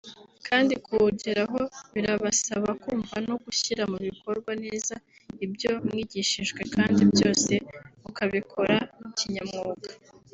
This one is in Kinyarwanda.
kandi kuwugeraho birabasaba kumva no gushyira mu bikorwa neza ibyo mwigishijwe kandi byose mukabikora kinyamwuga